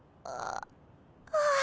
ああ！